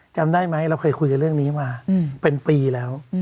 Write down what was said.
จำได้ไหมเราเคยคุยกันเรื่องนี้มาเป็นปีแล้ว